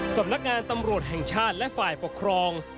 สำนักงานตำรวจแห่งชาติและฝ่ายปกครอง